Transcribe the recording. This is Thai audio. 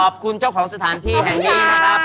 เจ้าของสถานที่แห่งนี้นะครับ